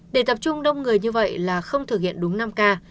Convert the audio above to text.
để tập trung đông người như vậy là không thực hiện đúng năm k